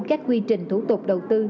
các quy trình thủ tục đầu tư